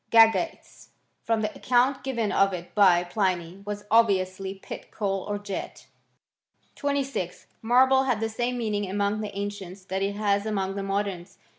Gagates, from the account given of it by Pliny, was obviously pit coal or jet. . 26. Marble had the same meaning among the an cients that it has among the moderns.